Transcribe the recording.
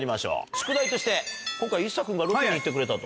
宿題として今回ＩＳＳＡ君がロケに行ってくれたと。